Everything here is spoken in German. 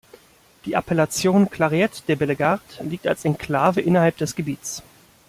Die Appellation Clairette de Bellegarde liegt als Enklave innerhalb des Gebiets.